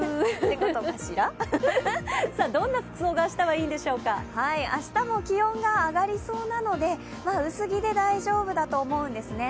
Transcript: どんな服装が明日はいいんでし明日も気温が上がりそうなので薄着で大丈夫と思うんですね。